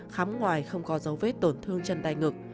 khám ngoài không có dấu vết tổn thương chân tay ngực